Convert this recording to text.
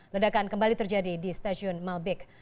ledakan kembali terjadi di stasiun malbik